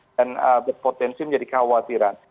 dan potensi menjadi kekhawatiran